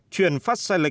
chuyển phát sản phẩm